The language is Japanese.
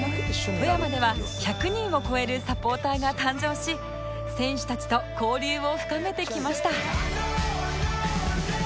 富山では１００人を超えるサポーターが誕生し選手たちと交流を深めてきました